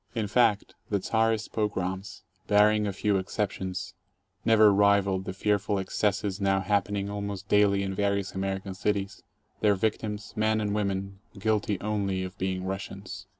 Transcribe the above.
In fact, the Czarist pogroms, barring a few exceptions, never rivaled the fearful excesses now happening almost daily in various Amer ican cities, their victims, men and women, guilty only of being Russians.